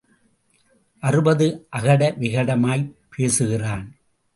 அறுபது அகடவிகடமாய்ப் பேசுகிறான்.